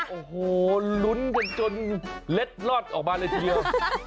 โอ้โหลุ้นกันจนเล็ดลอดออกมาเลยทีเดียว